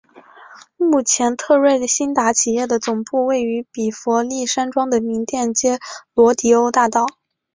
目前特瑞新达企业的总部位于比佛利山庄的名店街罗迪欧大道。